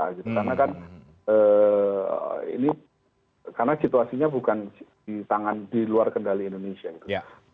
karena kan ini karena situasinya bukan di tangan di luar kendali indonesia gitu